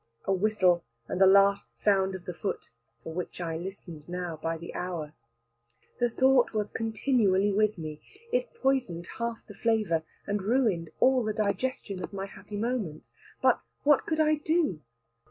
A whistle and the last sound of the foot, for which I listened now by the hour. This thought was continually with me. It poisoned half the flavour and ruined all the digestion of my happy moments. But what could I do?